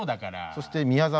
そして宮澤